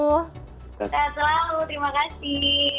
sehat selalu terima kasih